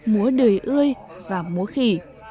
múa đời ươi và múa khỉ